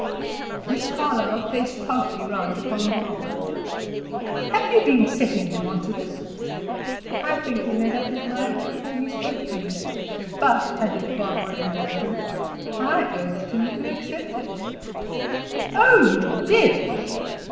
Miss Carlyle faced tartly round upon Barbara. "Have you been setting him on to this?" "I think he had made up his mind before he spoke to me. But," added Barbara, in her truth, "I urged him to accept it." "Oh, you did!